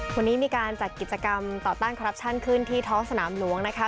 วันนี้มีการจัดกิจกรรมต่อต้านคอรัปชั่นขึ้นที่ท้องสนามหลวงนะคะ